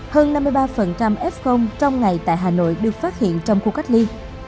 hơn năm mươi ba f trong ngày tại hà nội được phát hiện trong khu cách ly